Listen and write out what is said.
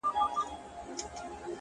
خو زه ـ